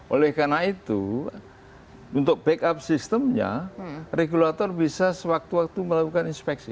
oleh karena itu untuk backup sistemnya regulator bisa sewaktu waktu melakukan inspeksi